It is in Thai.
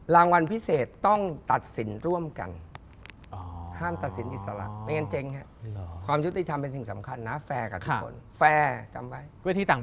รางวัลพิเศษต้องตัดสินร่วมกัน